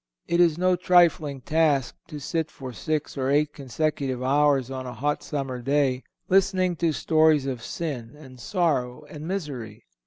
It is no trifling task to sit for six or eight consecutive hours on a hot summer day, listening to stories of sin and sorrow and misery.